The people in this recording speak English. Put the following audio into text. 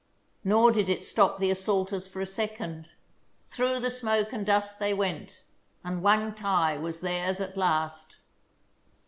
Nor did it stop the assaulters for a second. Through the smoke and dust they went, and Wangtai was theirs at last.